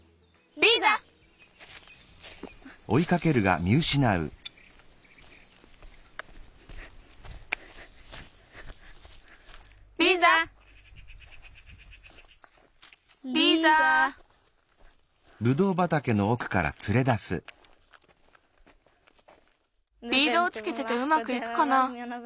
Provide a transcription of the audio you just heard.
リードをつけててうまくいくかな。